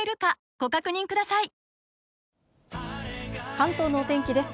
関東のお天気です。